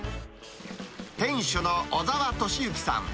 店主の小澤俊幸さん。